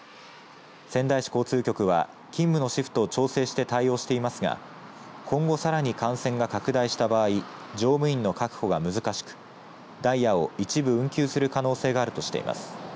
仙台市交通局は勤務のシフトを調整して対応していますが今後さらに感染が拡大した場合乗務員の確保が難しくダイヤを一部運休する可能性があるとしています。